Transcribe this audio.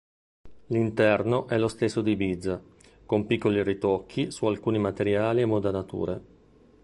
L'interno è lo stesso di Ibiza, con piccoli ritocchi su alcuni materiali e modanature.